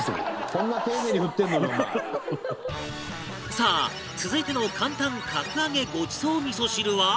さあ続いての簡単格上げごちそう味噌汁は？